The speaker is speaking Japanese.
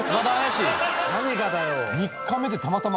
何がだよ。